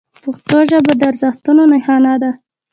پښتو ژبه د ارزښتونو نښانه ده.